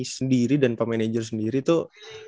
sendiri dan pemenager sendiri tuh